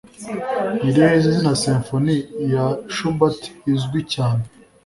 Ni irihe zina Symphony ya Schubert` izwi cyane?